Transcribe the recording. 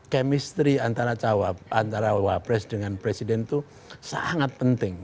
chemistry antara wabres dengan presiden itu sangat penting